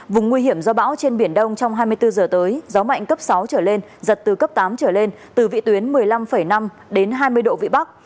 vùng nguy hiểm do bão trên biển đông trong hai mươi bốn giờ tới gió mạnh cấp sáu trở lên giật từ cấp tám trở lên từ vị tuyến một mươi năm năm đến hai mươi độ vị bắc